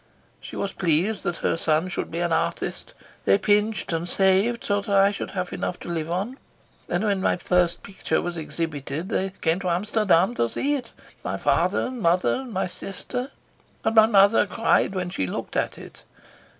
She was pleased that her son should be an artist. They pinched and saved so that I should have enough to live on, and when my first picture was exhibited they came to Amsterdam to see it, my father and mother and my sister, and my mother cried when she looked at it."